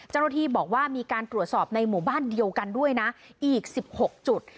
เจ้าหน้าที่บอกว่ามีการตรวจสอบในหมู่บ้านเดียวกันด้วยนะอีก๑๖จุด